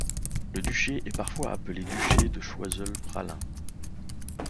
Le duché est parfois appelé duché de Choiseul-Praslin.